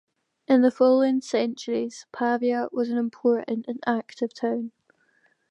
In the following centuries Pavia was an important and active town.